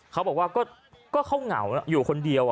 เขาบอกว่าก็เขาเหงาอยู่คนเดียว